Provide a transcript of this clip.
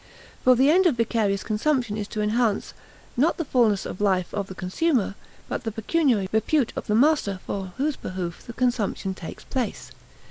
For the end of vicarious consumption is to enhance, not the fullness of life of the consumer, but the pecuniary repute of the master for whose behoof the consumption takes place.